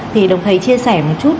thì đồng thầy chia sẻ một chút